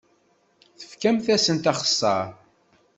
Fkemt-asent axeṣṣar.